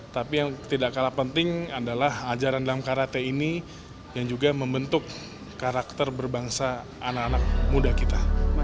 tapi yang tidak kalah penting adalah ajaran dalam karate ini yang juga membentuk karakter berbangsa anak anak muda kita